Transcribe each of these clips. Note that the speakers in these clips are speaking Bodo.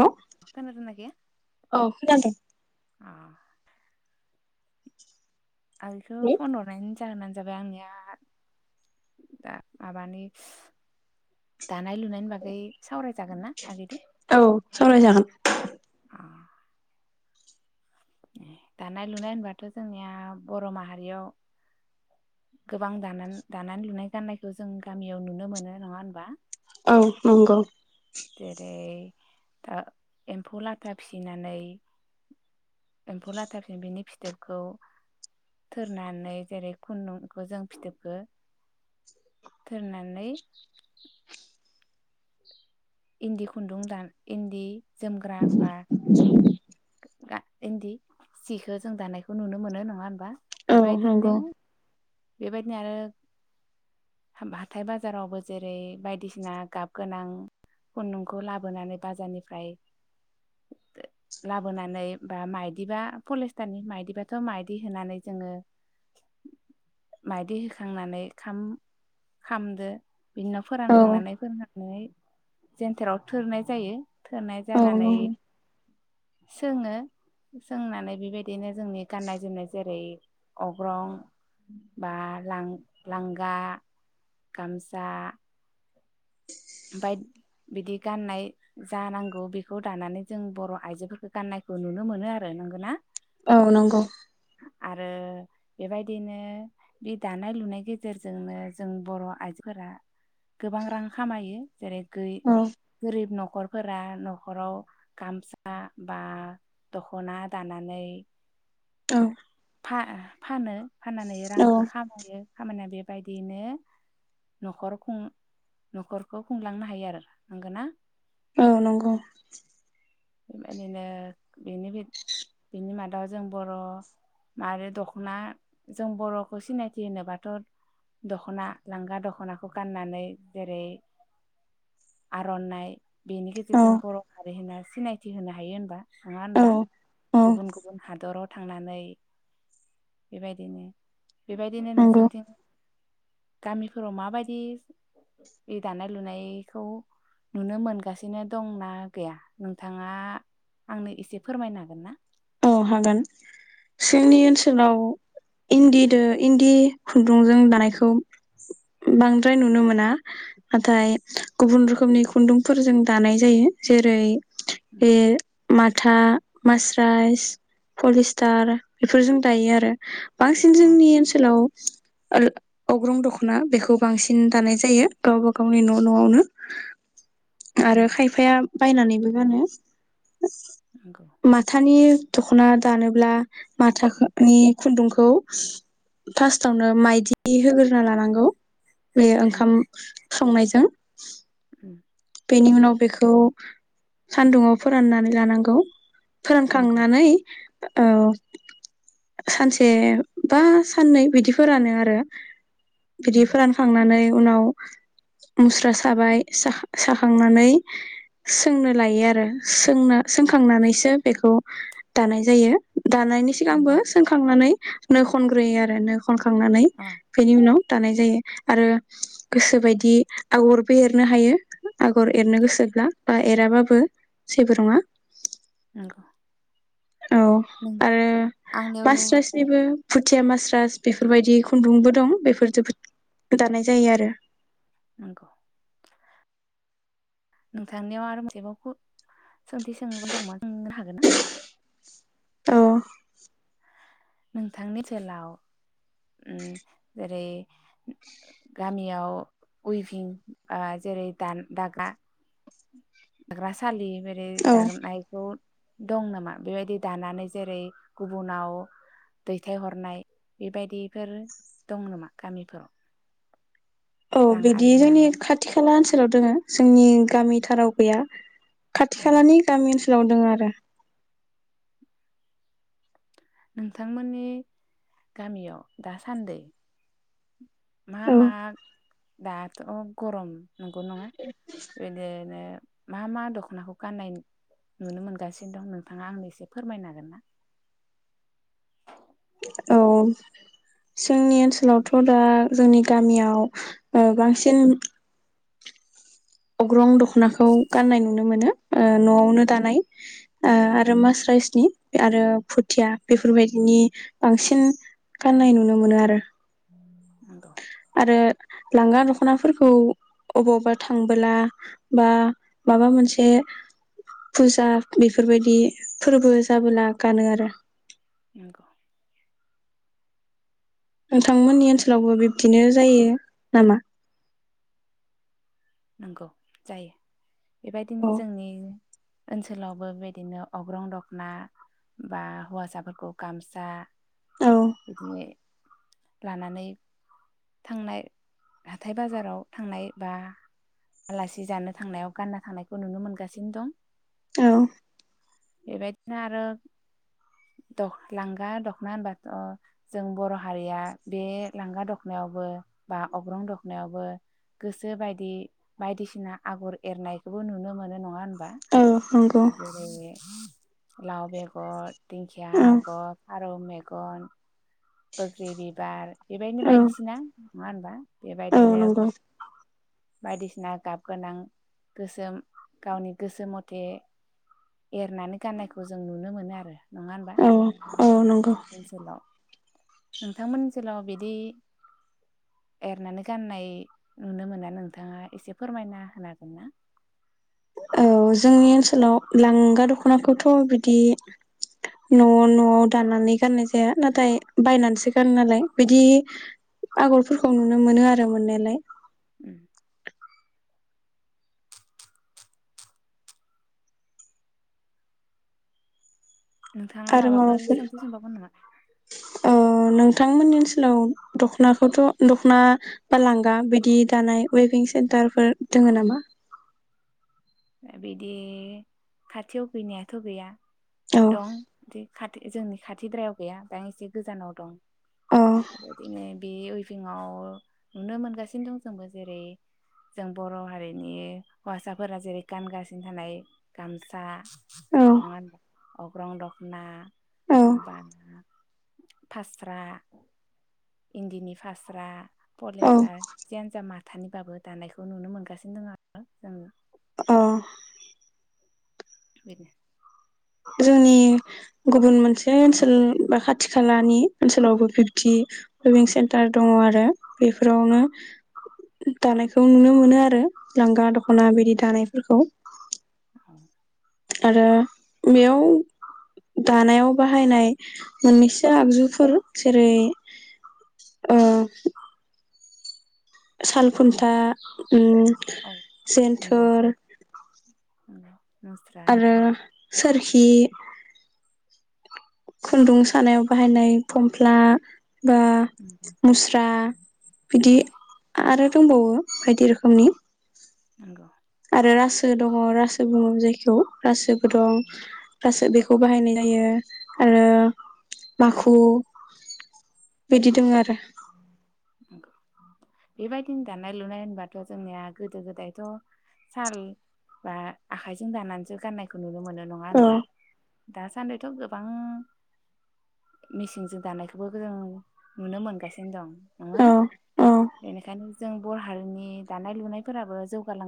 हेल' खोनादोंना गैया औ खोनादोंं अ [inaudible] हेलौ जाहोनानो जाबाय आंनिया द माबानि दानाय लुनायनि बागै सावरायजागोन ना आगैजों सावराय जागोन दानाय लुनाय होनबाथ' जोंनिया बर' माहारियाव गोबां दानानै दानाय लुनाय गाननायखौ जों गामियाव नुनो मोनो नङा होनबा? औ नंगौ जेरै दा एम्फौ लाथा फिसिनानै एम्फौ लाथा फिनानै बिनि फिथोबखौ थोरनानै जेरै खुन्दुंखौ जों फिथोबखौ थोरनानै इन्दि खुन्दुं दान इन्दि जोमग्रा बा इन्दि सिखौ जों दानायखौ नुनो मोनो नङा होमबा? औ बेबायदिनो नंगौ बेबायदिनो आरो हाब हाथाय बाजारावबो जेरै बायदिसिना गाब गोनां खुन्दुंखौ लाबोनानै बाजारनिफ्राय लाबोनानै बा माइदिबा पलिस्टारनि माइदिबाथ' माइदि होनानै जोङो माइदि होखांनानै खाम खामदो बिदिनो औ फोरानखांनानै फोननानै जेनथेराव थोरनाय जायो। थोरनाय औ जानानै नंगौ सोङो सोंनानै बेबायदिनो जोंनि गाननाय जोमनाय जेरै अग्रं बा लां लांगा गामसा बाय बिदि गाननाय जानांगौ बेखौ दानानै जों बर' आइजोफोरखौ गाननायखौ नुनो मोनो आरो। नंगौ ना? औ नंगौ। आरो बेबायदिनो बे दानाय लुनाय गेजेरजोंनो जों बर' आइजोफोरा गोबां रां खामायो। जेरै गोयि औ गोरिब न' खरफोरा न'खराव गामसा बा दख'ना दानानै औ। फा-फानो फाननानै औ रांखो खामायो खामानिया बेब बायदियैनो न'खर खुं न'खरखौ खुंलांनो हायो आरो। नोंगोना? औ नंगौ। बेबायदिनो बेनिबिब बेनि मादाव जों बर' मारो दख'ना जों बर'खौ सिनायथि होनोबाथ' दख'ना लांगा दख'नाखौ गाननानै जेरै आर'नाइ बेनि औ गेजेरजों बर' हा रि होनना सिनायथि होनो हायो होनबा नङा होनबा? औ औ गुबुन गुबुन हादरत थांनानै बेबायदिनो बेबायदिनो नंगौ नोंसोनिथिं गामिफोराव माबायदि बे दानाय लुनायखौ नुनो मोनगासिनो दंना गैया? नोंथाङा आंनो एसे फोरमायनो हागोन ना? औ हागोन जोंनि ओनसोलाव इन्दिदो इन्दि खुन्दुंजों दानायखौ उम बांद्राय नुनो मोना नाथाय गुबुन रोखोमनि खुन्दुंफोरजों दानाय जायो जेरै ए माथा मासराइस पलिस्टार बेफोरजों दायो आरो। बांसिन औ जोंनि ओनसोलाव ओर अग्रं दख'ना बेखौ बांसिन दानाय जायो गावबा गावनि न' न'आवनो। आरो खायफाया बायनानैबो गानो। नंगौ माथानि दखना दानोब्ला माथाखोनि खुन्दुंखौ फास्टावनो माइदि होगोरना लानांगौ। बेयो ओंखाम नंगौ संनाय जों। उम। बेनि उनाव बेखौ सानदुंआव फोराननानै लानांगौ। नंगौ फोरानखांनानै ओ औ सानसे बा साननै बिदि फोरानो आरो। बिदि नंगौ फोरानखांनानै उनाव मुस्रा साबाय साहा साखांनानै सोंनो लायो आरो सोंना सोंखांनानैसो बेखौ दानाय जायो। दानायनि सिगांबो नंगौ सोंखांनानै नो खनग्रोयो आरो नो खनखांनानै अ बेनि उनाव दानाय जायो आरो गोसोबायदि आगरबो एरनो हायो आगर एरनो गोसोब्ला बा एराबाबो जेबो नङा नंगौ औ नों आरो आंनियाव मासट्रासनिबो फुथिया मास्रास बेफोरबायदि खुन्दुंबो दं बेफोर जोबोद दानाय जायो आरो नंगौ नोंथांनियाव आरो मोनसेबाव सोंथि सों दं म सोंनो हागोन ना? औ नोंथांनि जोलाव उम जेरै गामियाव उइभिं जेरै द दागा दाग्रासालि बे बे औ दानायखौ दं नामा बेबायदि दानानै जेरै गुबुनाव दैथायहरनाय बेबायदिफोर दं नामा गामिफोराव? औ रां बिदि आरजिनो जोंनि हानाय खाथि खाला ओनस ओनाव दोङो जोंनि गामिथाराव गैया खाथि औ खालाानि गामिन ओनस लाव दो आरो। नोंथांमोननि गामियाव दासान्दै [inaudible] मा औ मा दाथ' गरम नंगौ नङा बिदिनो मा मा दख'नाखौ गान्नाय नुनो मोनगासिनो दं नोंथाङा आंनो एसे फोरमायनो हागोन ना? औ जोंनि ओनसोलावथ' दा जोंनि गामियाव ओ बांसिन अग्रं दख ख'नाखौ गान्नाय नुनो मोनो। ओ न'आवनो दानाय ओ नंगौ आरो मास राइसनि आरो फुथिया बेफोरबायदिनि बांसिन गान्नाय नुनो मोनो आरो। नंगौ आरो लांगा दख'नाफोरखौ अबावबा थांबोला बा माबा मोनसे फुजा बेफोरबायदि फोरबो जाबोला गानो आरो। नंगौ नोंथांमोननि ओनसोलावबो बिब्दिनो जायो नामा? नंगौ जायो बेबायदिनो औ जोंनि ओनसोलावबो बेबायदिनो अग्रं दख'ना बा हौवासाफोरखौ गामसा औ बिदिने लानानै थांनाय हाथाय बाजाराव थांनाय बा आलासि जानो थांनायाव गान्ना थांनायखौ नुनो मोनगासिनो दं औ बेबायदिनो आरो दख लांगा दख'ना होनबाथ' जों बर' हारिया बे लांगा दख'नायावबो बा अग्रं दखनायावबो गोसो बायदि बायदिसिना आगर एरनायखौबो नुनो मोनो नङा होन बा औ नंगौ जेरै लाव बेगर दिंखिया औ आगर फारौ मेगन गन बोग्रि बिबार बेबायदिनो औ बायदिसिना नङा होनबा? औ बेबायदिनो नंगौ खन बायदिसिना गाब गोनां गोसोम गावनि गोसो मथे एरनानै गाननायखौ जों नुनो मोनो आरो। नङा होनबा औ औ नंगौ। नोंथांमोननि ओनसोलाव बिदि एरनानै गाननाय नुनो मोना नोंथांङा एसे फोरमायना होगोनना? औ जोंनि ओनसोलाव लांगा दख'नाखौथ' बिदि न' न'आव दानानै गाननाय जाया। नाथाय बायनानैसो गानो नालाय बिदि आगरफोरखौ नुनो मोनो आरो मोननायालाय। उम नोंथांङा माबाफोर सोंथि सोंबावगोन नामा? अ नोंथांमोननि ओनसोलाव दख'नाखौथ' दख'ना बा लांगा बिदि दानाय अयभिं सेन्टारफोर दोङो नामा? ओ बिदि खाथियाव गैनायाथ' गैया। औ दं दि खाथि जोंनि खाथिद्रायाव गैया दां एसे गोजानाव दं। औ बेबायदिनो बे भिंआव नुनो मोनगासिनो दं जोंबो जेरै जों बर' हारिनि हौवासाफोरा जेरै गानगासिनो थानाय गामसा नङा औ होनबा? अग्रं दखना बा फास्रा इन्दिनि फास्रा औ पलिस्टार जेन जा मा थानिबाबो दानायखौ नुनो मोनगासिनो दंङ आरो जोंङो अ [inaudible] जोंनि गुबुन मोनसे ओनसोल बा खाथि खालानि ओनसोलावबो बिबदि लभिं सेन्टार दंङ आरो बेफोरावनो दानायखौ नुनो मोनो आरो लांगा द दख'ना बिदि दानायफोरखौ नंगौ आरो बेयाव दानायाव बाहायनाय मोननैसो आगजुफोर जेरै ओ साल खुन्था ओम औ जेन्थोर औ। नुस्रा आरो सोरखि खुन्दुं सानायाव बाहायनाय फमफ्ला, बा नंगौ मुस्रा, बिदि आरो दंबावो बायदि रोखोमनि नंगौ‌। आरो रासो दङ रो बुङो जायखौ रासोबो दं रासो बेखौ बाहायनाय जायो आरो माखु बिदि दङ आरो बेबायदिनो दानाय लुनाय होनबाथ' जोंनिया गोदो गोदायथ' साल बा आखाइजों दानानैसो गाननायखौ नुनो मोनो। नङा औ होनबा दासान्दिथ' गोबां मेचिनजों दानायखौबो जों नुनो मोनगासिनो दं नोङो औ औ बेनिखायनो जों बर' हारिनि दानाय लुनायफोराबो जौगाल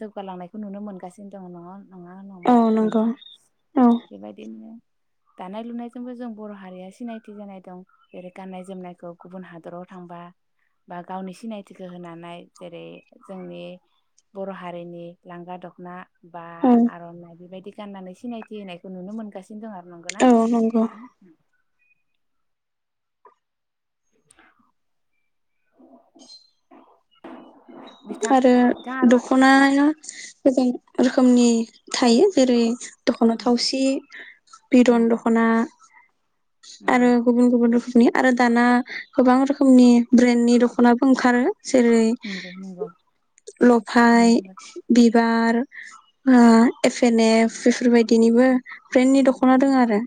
जौगालांनायखौ नुनो मोनगासिनो दङ नङा नङा औ नंबा नंगौ नोंथां औ बेबायदिनो दानाय लुनायजोंबो जों बर' हारिया सिनायथि जानाय दं जेरै गाननाय जोमनायखौ गुबुन हादराव थांबा बा गावनि सिनायथिखौ होनानै जेरै जोंनि बर' हारिनि लांगा दखना बा औ आर'नाइ बेबायदि गाननानै सिनायथि होनायखौ नुनो मोनगासिनो थारनोंगौना? औ नंगौ [inaudible] बिथां आरो बिथां आरो दख'नाया गोबां रोखोमनि थायो। जेरै दख'ना नंगौ थावसि बिदन नंगौ दख'ना आरो नंगौ गुबुन गुबुन रोखोमनि आरो दाना गोबां रोखोमनि ब्रेन्डनि दख'नााबो ओंखारो। जेरै नंगौ नंगौ लफाय, नंगौ बि बार, एफ एन एफ, बेफोरबायदिनिबो ब्रेन्नि दख'ना दङ आरो।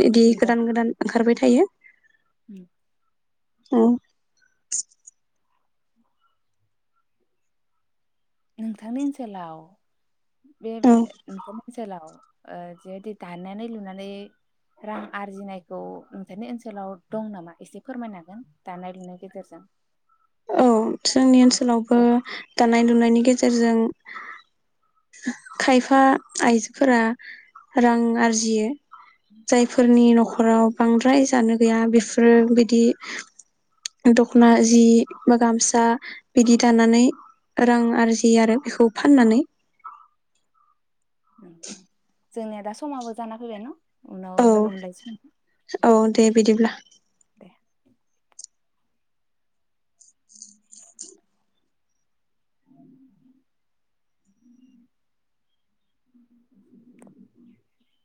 बिदि गोदान गोदान ओंखारबाय था थायो उम। औ। नोंथांनि ओनसोलाव बे बे औ ओन्सोलाव ओ जिबायदि दानानै लुनानै रां आरजिनायखौ नोंथांनि ओनसोलाव दं नामा एसे फोरमायनो हागोन दानाय लुनाय गेजेरजों? औ जोंनि ओनसोलावबो दानाय लुनायनि गेजेरजों खायफा आइजोफोरा रां आरजियो। जायफोरनि गेजेरजों नखराव बांद्राय जानो गैया बेफोरो बिदि दख'ना जि गामसा बिदि दानानै रां आरजियो आरो बेखौ फाननानै। लांदां जोंनिया दा समाबो जाना फैबाय न। उनाव औ लोगो मोनलायसिगोन दे। औ दे बिदिब्ला। लांदां लांदां